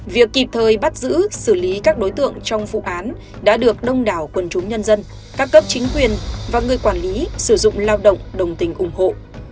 việc kịp thời bắt giữ xử lý các đối tượng trong vụ án đã được đông đảo quần chúng nhân dân các cấp chính quyền và người quản lý sử dụng lao động đồng tình ủng hộ